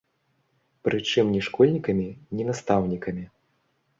Прычым ні школьнікамі, ні настаўнікамі.